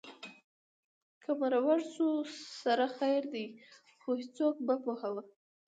که مرور شو سره خیر دی خو څوک مه پوهوه